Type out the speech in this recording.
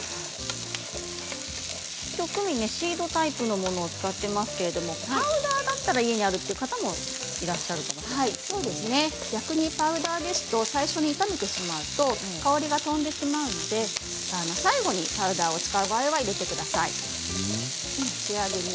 クミンはシードタイプのものを使っていますけれどパウダーだったら家にあるという方もパウダーでしたら先に炒めてしまうと香りが飛んでしまいますので最後にパウダーを使う場合は入れてください。